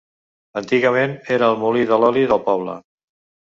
Antigament era el molí de l'oli del poble.